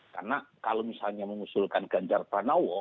karena kalau misalnya mengusulkan ganjar pranowo